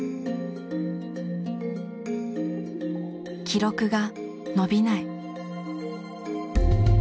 記録が伸びない。